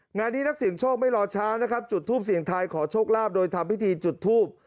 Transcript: งานนี้นักเสี่ยงโชคไม่รอช้านะครับจุดทูปเสียงทายขอโชคลาภโดยทำพิธีจุดทูบ